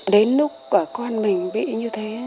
đến lúc con mình bị như thế